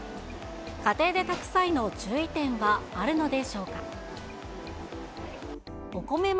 家庭で炊く際の注意点はあるのでしょうか。